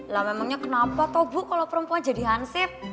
lah memangnya kenapa tuh bu kalau perempuan jadi hansip